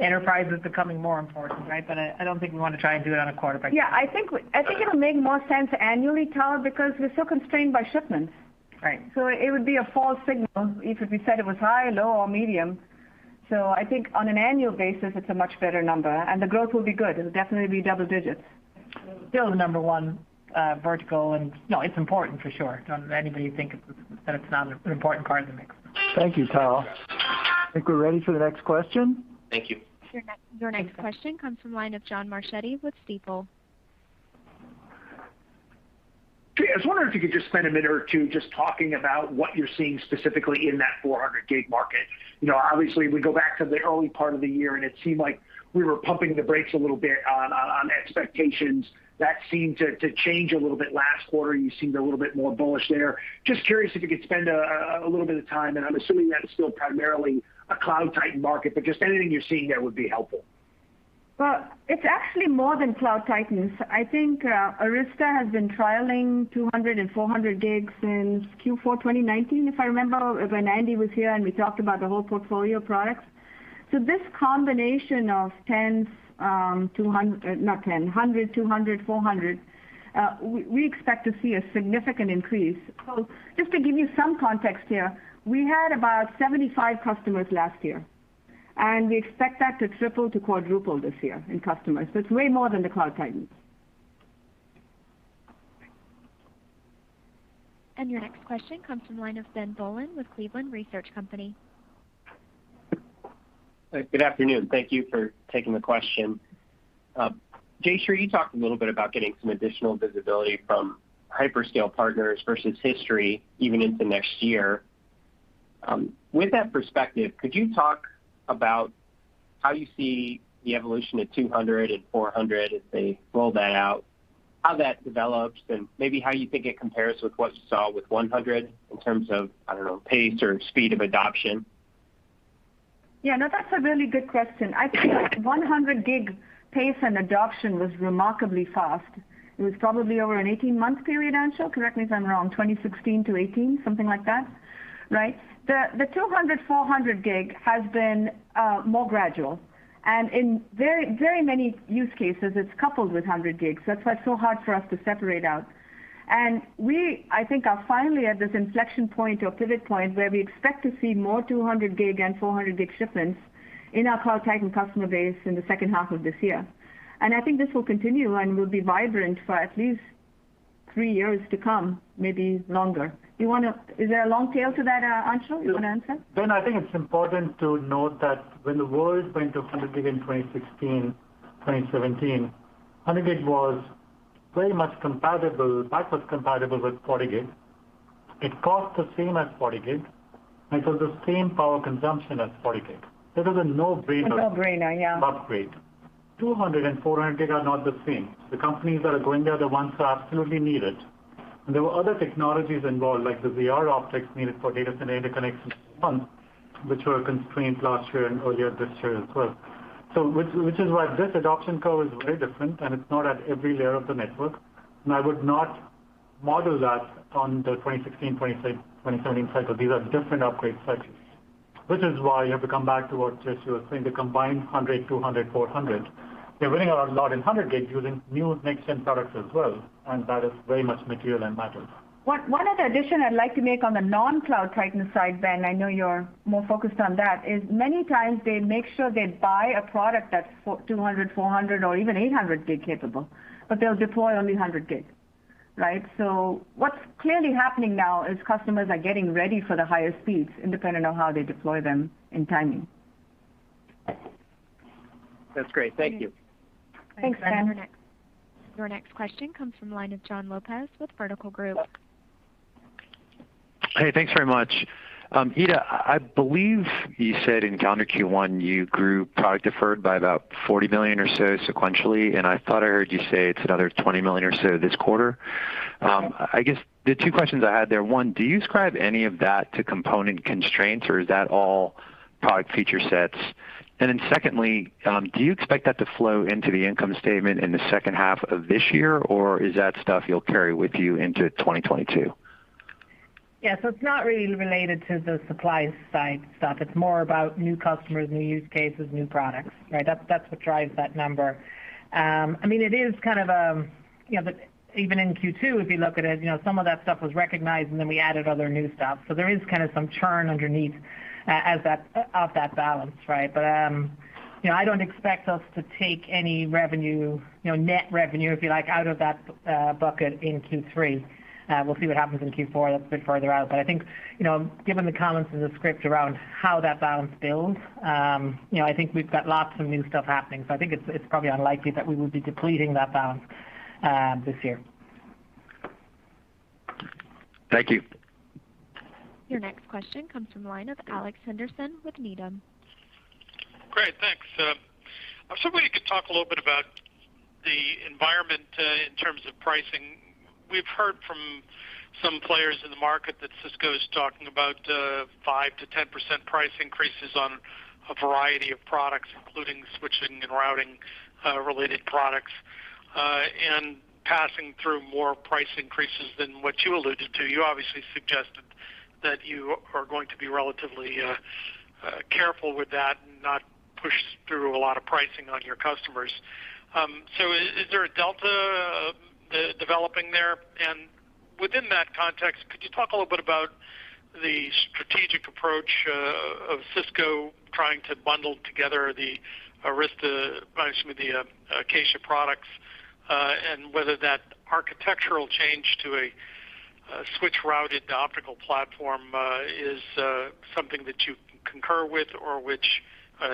Enterprise is becoming more important, right? I don't think we want to try and do it on a quarter-by-quarter. Yeah, I think it'll make more sense annually, Tal, because we're so constrained by shipments. Right. It would be a false signal if we said it was high, low, or medium. I think on an annual basis, it's a much better number, and the growth will be good. It'll definitely be double digits. Still the number one vertical and, no, it's important for sure. Don't let anybody think that it's not an important part of the mix. Thank you, Tal. I think we're ready for the next question. Thank you. Your next question comes from the line of John Marchetti with Stifel. Jay, I was wondering if you could just spend a minute or two just talking about what you're seeing specifically in that 400G market. Obviously, we go back to the early part of the year, and it seemed like we were pumping the brakes a little bit on expectations. That seemed to change a little bit last quarter. You seemed a little bit more bullish there. Just curious if you could spend a little bit of time, and I'm assuming that is still primarily a cloud titan market, but just anything you're seeing there would be helpful. Well, it's actually more than cloud titans. I think Arista has been trialing 200 and 400G since Q4 2019, if I remember, when Andy was here and we talked about the whole portfolio of products. This combination of 10, 100, 200, 400, we expect to see a significant increase. Just to give you some context here, we had about 75 customers last year, and we expect that to triple to quadruple this year in customers. It's way more than the cloud titans. Your next question comes from the line of Ben Bollin with Cleveland Research Company. Good afternoon. Thank you for taking the question. Jayshree, you talked a little bit about getting some additional visibility from hyperscale partners versus history even into next year. With that perspective, could you talk about how you see the evolution of 200 and 400 as they roll that out, how that develops, and maybe how you think it compares with what you saw with 100 in terms of, I don't know, pace or speed of adoption? Yeah, no, that's a really good question. I feel like 100G pace and adoption was remarkably fast. It was probably over an 18-month period, Anshul. Correct me if I'm wrong, 2016 to 2018, something like that, right? The 200, 400G has been more gradual, and in very many use cases, it's coupled with 100G. That's why it's so hard for us to separate out. We, I think, are finally at this inflection point or pivot point where we expect to see more 200G and 400G shipments in our cloud titan customer base in the second half of this year. I think this will continue and will be vibrant for at least three years to come, maybe longer. Is there a long tail to that, Anshul, you want to answer? Ben, I think it's important to note that when the world went to 100G in 2016, 2017, 100G was very much backwards compatible with 40G. It cost the same as 40G, and it was the same power consumption as 40G. It was a no-brainer. A no-brainer, yeah. Upgrade. 200G and 400G are not the same. The companies that are going there are the ones who absolutely need it. There were other technologies involved, like the ZR optics needed for data center interconnections themselves, which were a constraint last year and earlier this year as well. Which is why this adoption curve is very different, and it's not at every layer of the network. I would not model that on the 2016, 2017 cycle. These are different upgrade cycles. Which is why you have to come back to what Jayshree was saying, to combine 100, 200, 400. We are winning a lot in 100G using new next-gen products as well, and that is very much material and matters. One other addition I'd like to make on the non-cloud titan side, Ben, I know you're more focused on that, is many times they make sure they buy a product that's 200G, 400G or even 800G capable, but they'll deploy only 100G, right? What's clearly happening now is customers are getting ready for the higher speeds independent of how they deploy them in timing. That's great. Thank you. Thanks, Ben. Your next question comes from the line of Jon Lopez with Vertical Group. Hey, thanks very much. Ita, I believe you said in calendar Q1 you grew product deferred by about $40 million or so sequentially, and I thought I heard you say it's another $20 million or so this quarter. I guess the two questions I had there, one, do you ascribe any of that to component constraints, or is that all product feature sets? Secondly, do you expect that to flow into the income statement in the second half of this year, or is that stuff you'll carry with you into 2022? It's not really related to the supply side stuff. It's more about new customers, new use cases, new products, right? That's what drives that number. Even in Q2, if you look at it, some of that stuff was recognized, and then we added other new stuff. There is some churn underneath of that balance, right? I don't expect us to take any net revenue, if you like, out of that bucket in Q3. We'll see what happens in Q4. That's a bit further out. I think given the comments in the script around how that balance builds, I think we've got lots of new stuff happening. I think it's probably unlikely that we would be depleting that balance this year. Thank you. Your next question comes from the line of Alex Henderson with Needham. Great, thanks. I was hoping you could talk a little bit about the environment in terms of pricing. We've heard from some players in the market that Cisco is talking about 5%-10% price increases on a variety of products, including switching and routing-related products, and passing through more price increases than what you alluded to. You obviously suggested that you are going to be relatively careful with that and not push through a lot of pricing on your customers. Is there a delta developing there? Within that context, could you talk a little bit about the strategic approach of Cisco trying to bundle together the Acacia products and whether that architectural change to a switch routed optical platform is something that you concur with or which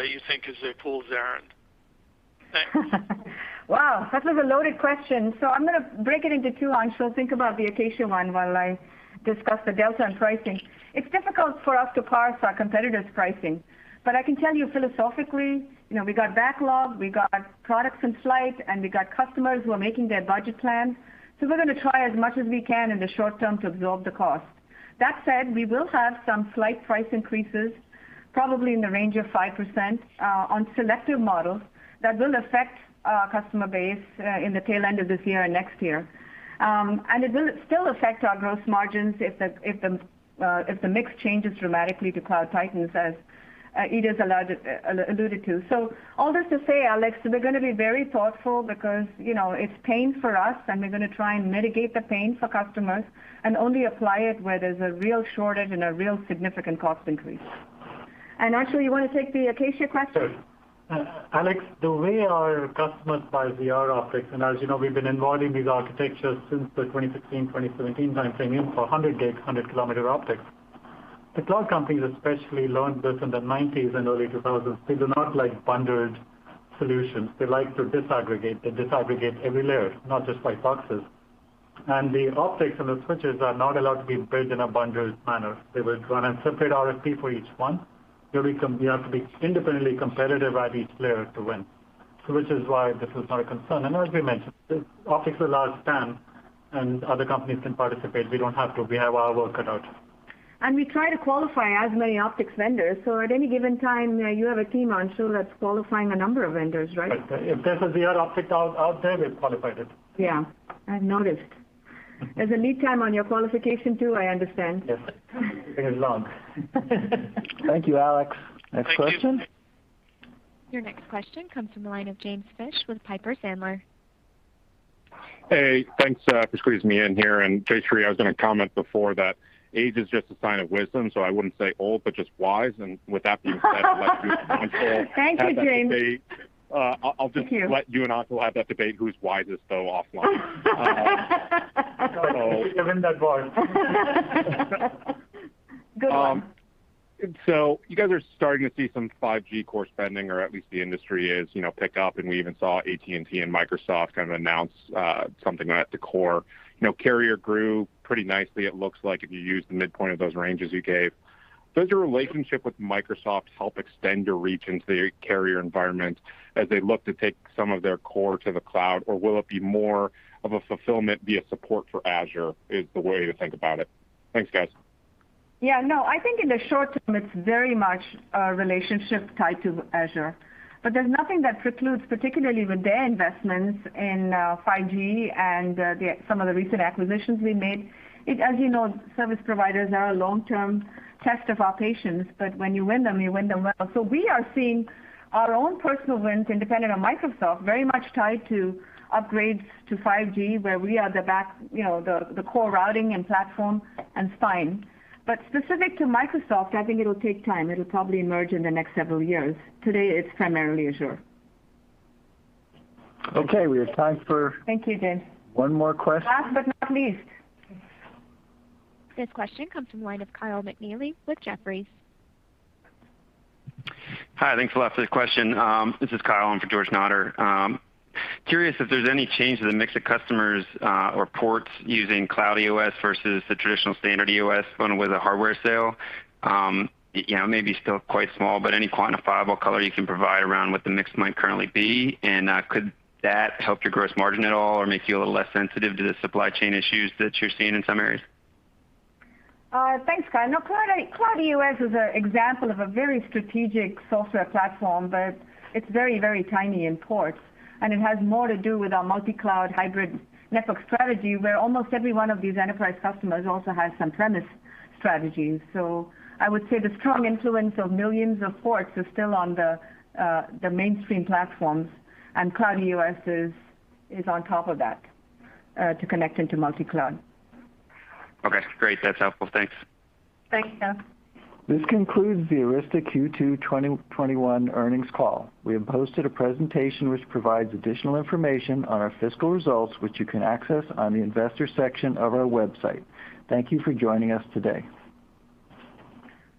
you think is a fool's errand? Thanks. Wow, that was a loaded question. I'm going to break it into two, Anshul. Think about the Acacia one while I discuss the delta on pricing. It's difficult for us to parse our competitors' pricing. I can tell you philosophically, we got backlog, we got products in flight, and we got customers who are making their budget plans. We're going to try as much as we can in the short term to absorb the cost. That said, we will have some slight price increases, probably in the range of 5% on selective models that will affect our customer base in the tail end of this year and next year. It will still affect our gross margins if the mix changes dramatically to cloud titans, as Ita alluded to. All this to say, Alex, we're going to be very thoughtful because it's pain for us, and we're going to try and mitigate the pain for customers and only apply it where there's a real shortage and a real significant cost increase. Anshul, you want to take the Acacia question? Sure. Alex, the way our customers buy ZR optics, as you know we've been involving these architectures since the 2016, 2017 timeframe for 100G, 100 km optics. The cloud companies especially learned this in the '90s and early 2000s. They do not like bundled solutions. They like to disaggregate. They disaggregate every layer, not just white boxes. The optics and the switches are not allowed to be built in a bundled manner. They will run a separate RFP for each one. We have to be independently competitive at each layer to win. Which is why this is our concern. As we mentioned, optics is a large TAM, and other companies can participate. We don't have to. We have our work cut out. We try to qualify as many optics vendors. At any given time, you have a team, Anshul, that's qualifying a number of vendors, right? Right. If there's a ZR optic out there, we've qualified it. Yeah, I've noticed. There's a lead time on your qualification, too, I understand. Yes. Very long. Thank you, Alex. Next question. Your next question comes from the line of James Fish with Piper Sandler. Hey, thanks for squeezing me in here. Jayshree, I was going to comment before that age is just a sign of wisdom, so I wouldn't say old, but just wise. With that being said Thank you, James. I'll just let you and Anshul have that debate, who's wisest though offline. I think I win that one. Go on. You guys are starting to see some 5G core spending, or at least the industry is, pick up, and we even saw AT&T and Microsoft kind of announce something at the core. Carrier grew pretty nicely it looks like if you use the midpoint of those ranges you gave. Does your relationship with Microsoft help extend your reach into the carrier environment as they look to take some of their core to the cloud? Will it be more of a fulfillment via support for Azure, is the way to think about it? Thanks, guys. Yeah, no. I think in the short term, it's very much a relationship tied to Azure. There's nothing that precludes, particularly with their investments in 5G and some of the recent acquisitions we made. As you know, service providers are a long-term test of our patience, but when you win them, you win them well. We are seeing our own personal wins independent of Microsoft, very much tied to upgrades to 5G, where we are the core routing and platform and spine. Specific to Microsoft, I think it'll take time. It'll probably emerge in the next several years. Today it's primarily Azure. Okay, we have time for. Thank you, James. One more question. Last but not least. This question comes from the line of Kyle McNealy with Jefferies. Hi, thanks a lot for the question. This is Kyle in for George Notter. Curious if there's any change to the mix of customers or ports using CloudEOS versus the traditional standard EOS going with a hardware sale. Maybe still quite small, but any quantifiable color you can provide around what the mix might currently be? Could that help your gross margin at all or make you a little less sensitive to the supply chain issues that you're seeing in some areas? Thanks, Kyle. CloudEOS is an example of a very strategic software platform. It's very, very tiny in ports, and it has more to do with our multi-cloud hybrid network strategy, where almost every one of these enterprise customers also has some premise strategies. I would say the strong influence of millions of ports is still on the mainstream platforms, and CloudEOS is on top of that to connect into multi-cloud. Okay, great. That's helpful. Thanks. Thanks, Kyle. This concludes the Arista Q2 2021 earnings call. We have posted a presentation which provides additional information on our fiscal results, which you can access on the investor section of our website. Thank you for joining us today.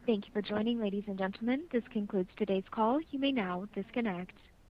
Thank you for joining, ladies and gentlemen. This concludes today's call. You may now disconnect.